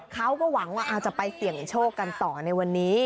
เขาก็หวังว่าอาจจะไปเสี่ยงโชคกันต่อในวันนี้